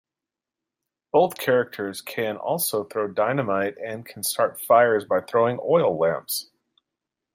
Both characters can also throw dynamite and can start fires by throwing oil lamps.